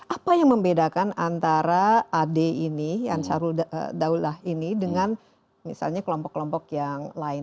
apa yang membedakan antara ad ini ansyarul daulah ini dengan misalnya kelompok kelompok yang lain